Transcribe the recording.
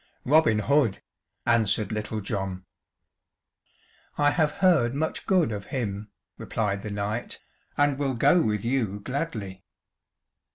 "Robin Hood," answered Little John. "I have heard much good of him," replied the knight, "and will go with you gladly."